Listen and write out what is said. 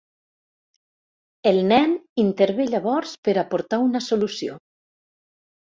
El nen intervé llavors per aportar una solució.